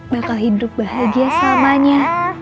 bakal hidup bahagia selamanya